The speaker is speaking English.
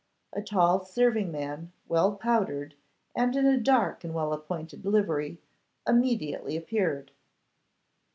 A tall serving man, well powdered, and in a dark and well appointed livery, immediately appeared.